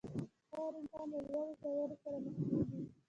هر انسان له لوړو ژورو سره مخ کېږي.